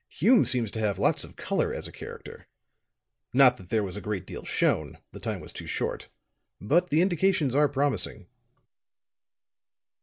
Hume seems to have lots of color as a character. Not that there was a great deal shown the time was too short. But the indications are promising."